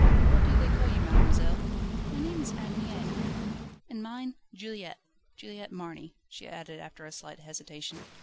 "What do they call you, mademoiselle?" "My name is Anne Mie." "And mine, Juliette Juliette Marny," she added after a slight hesitation.